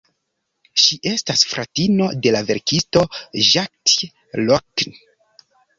Ŝi estas fratino de la verkisto Jackie Collins.